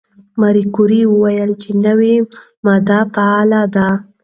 ماري کوري وویل چې نوې ماده فعاله ده.